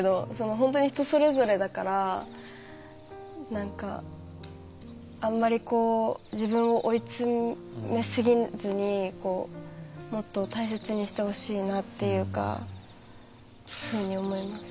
本当に、人それぞれだからあまり自分を追い詰めすぎずにもっと大切にしてほしいなと思いました。